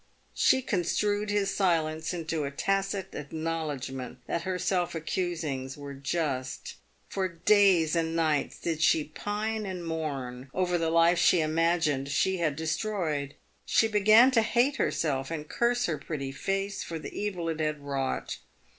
She construed his silence into a tacit acknow r ledgment that her self accusings were just. For days and nights did she pine and mourn over the life she imagined she had destroyed. She began to hate herself, and curse her pretty face for the evil it had wrought.